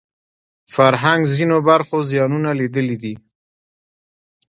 فرهنګ ځینو برخو زیانونه لیدلي دي